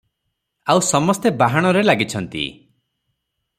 ଆଉ ସମସ୍ତେ ବାହାଣରେ ଲାଗିଛନ୍ତି ।